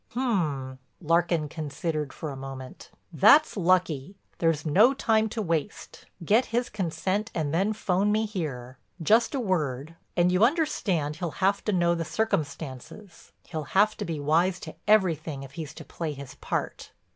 "Um!" Larkin considered for a moment. "That's lucky. There's no time to waste. Get his consent and then 'phone me here. Just a word. And you understand he'll have to know the circumstances; he'll have to be wise to everything if he's to play his part."